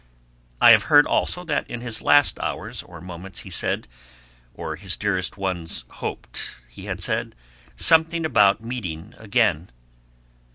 I have heard also that in his last hours or moments he said, or his dearest ones hoped he had said, something about meeting again.